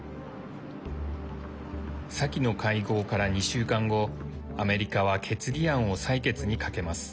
先の会合から２週間後アメリカは決議案を採決にかけます。